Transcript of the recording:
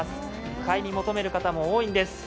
買い求める方も多いんです。